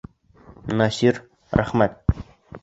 Насир, рәхмәт.